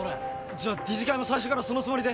じゃあ理事会も最初からそのつもりで？